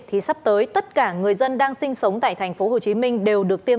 thì sắp tới tất cả người dân đang sinh sống tại tp hcm